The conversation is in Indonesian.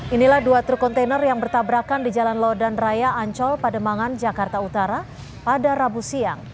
inilah dua truk kontainer yang bertabrakan di jalan lodan raya ancol pademangan jakarta utara pada rabu siang